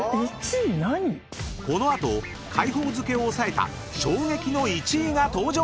［この後海宝漬を抑えた衝撃の１位が登場！］